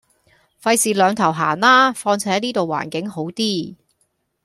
費事兩頭行啦，況且呢度環境好啲